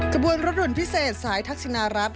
ขบวนรถด่วนพิเศษสายทักษินารัฐ